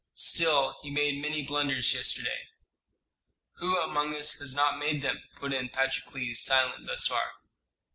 Still he made many blunders yesterday." "Who among us has not made them?" put in Patrokles, silent thus far.